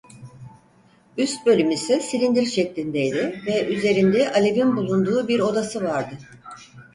Üst bölüm ise silindir şeklindeydi ve üzerinde alevin bulunduğu bir odası vardı.